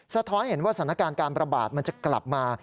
ท้อนเห็นว่าสถานการณ์การประบาดมันจะกลับมา